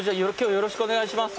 よろしくお願いします。